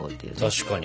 確かに。